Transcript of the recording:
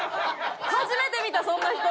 初めて見たそんな人！